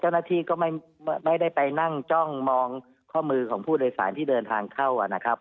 เจ้าหน้าที่ก็ไม่ได้ไปนั่งจ้องมองข้อมือของผู้โดยสารที่เดินทางเข้านะครับ